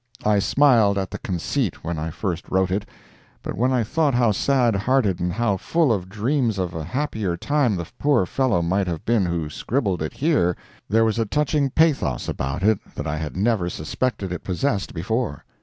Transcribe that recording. I smiled at the conceit when I first wrote it, but when I thought how sad hearted and how full of dreams of a happier time the poor fellow might have been who scribbled it here, there was a touching pathos about it that I had never suspected it possessed before.